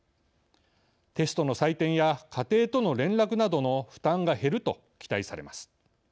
テストの採点や家庭との連絡などの負担が減ると期待されます。